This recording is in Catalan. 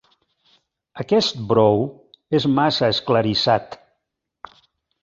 Aquest brou és massa esclarissat.